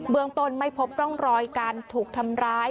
เมืองต้นไม่พบร่องรอยการถูกทำร้าย